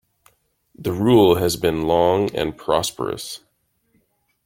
The rule has been long and prosperous.